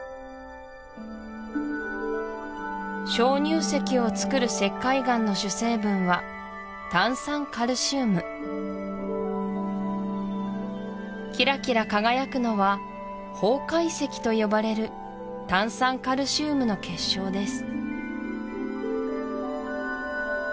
鍾乳石をつくる石灰岩の主成分は炭酸カルシウムキラキラ輝くのは方解石と呼ばれる炭酸カルシウムの結晶です